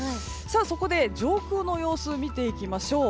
上空の様子を見ていきましょう。